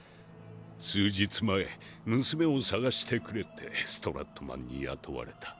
数日前娘を捜してくれってストラットマンに雇われた。